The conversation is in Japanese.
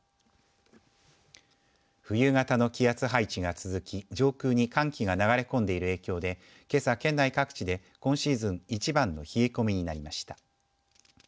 冬型の気圧配置が続き上空に寒気が流れ込んでいる影響でけさ、県内各地で今シーズン一番の冷え込みになりました。